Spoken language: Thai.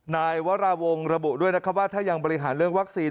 นายวราวงศ์ระบุด้วยนะครับว่าถ้ายังบริหารเรื่องวัคซีน